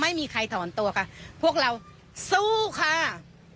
ไม่มีใครถอนตัวค่ะพวกเราสู้ค่ะ